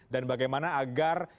dan bagaimana agar